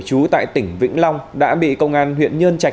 trú tại tỉnh vĩnh long đã bị công an huyện nhân trạch